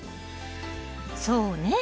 そうね。